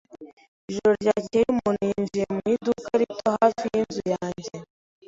Ijoro ryakeye umuntu yinjiye mu iduka rito hafi yinzu yanjye.